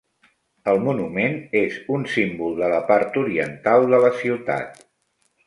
El monument és un símbol de la part oriental de la ciutat.